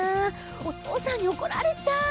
お父さんに怒られちゃう。